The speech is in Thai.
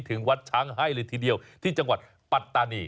ถึงวัดช้างให้เลยทีเดียวที่จังหวัดปัตตานี